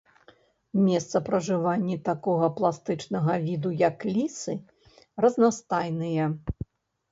Месцапражыванні такога пластычнага віду, як лісы, разнастайныя.